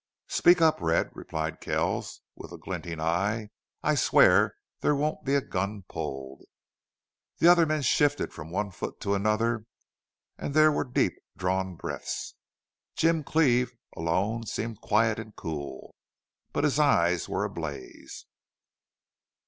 "Speak up, Red," replied Kells, with a glinting eye. "I swear there won't be a gun pulled." The other men shifted from one foot to another and there were deep drawn breaths. Jim Cleve alone seemed quiet and cool. But his eyes were ablaze.